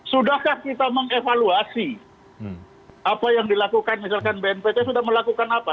sudahkah kita mengevaluasi apa yang dilakukan misalkan bnpt sudah melakukan apa